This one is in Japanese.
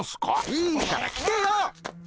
いいから来てよ！